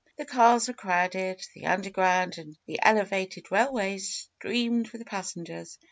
The cars were crowded; the underground and the elevated rail ways streamed with passengers.